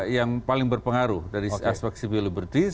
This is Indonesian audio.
yang paling berpengaruh dari aspek sipil libertis